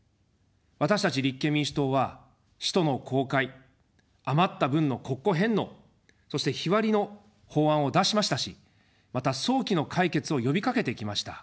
私たち立憲民主党は使途の公開、余った分の国庫返納、そして日割りの法案を出しましたし、また早期の解決を呼びかけてきました。